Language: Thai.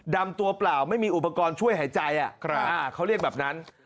ดำตัวเปล่าไม่มีอุปกรณ์ช่วยหายใจเขาเรียกแบบนั้น